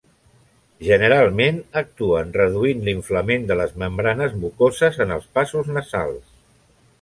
Generalment, actuen reduint l'inflament de les membranes mucoses en els passos nasals.